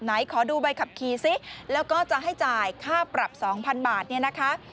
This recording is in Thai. ขอดูใบขับขี่ซิแล้วก็จะให้จ่ายค่าปรับ๒๐๐๐บาทเนี่ยนะคะ